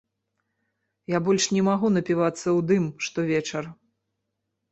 Я больш не магу напівацца ў дым штовечар.